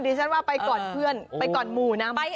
ฉันว่าไปก่อนเพื่อนไปก่อนหมู่นะ